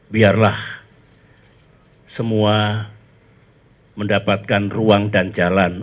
biarlah semua mendapatkan ruang dan jalan